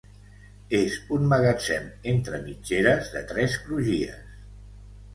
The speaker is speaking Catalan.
És un magatzem entre mitgeres de tres crugies.